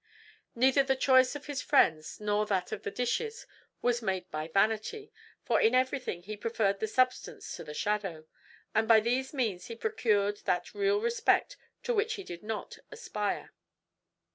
Neither the choice of his friends nor that of the dishes was made by vanity; for in everything he preferred the substance to the shadow; and by these means he procured that real respect to which he did not aspire.